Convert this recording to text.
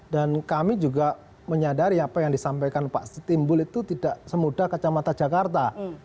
dan kami juga menyadari apa yang disampaikan pak stimbul itu tidak semudah kacamata jakarta